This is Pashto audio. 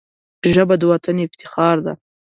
ژبه د وطن افتخار ده